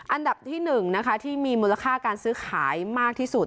อันดับที่๑นะคะที่มีมูลค่าการซื้อขายมากที่สุด